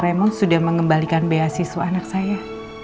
remo sudah mengembalikan beasiswa anak saya